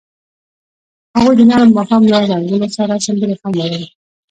هغوی د نرم ماښام له رنګونو سره سندرې هم ویلې.